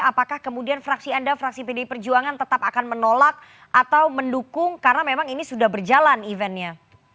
apakah kemudian fraksi anda fraksi pdi perjuangan tetap akan menolak atau mendukung karena memang ini sudah berjalan eventnya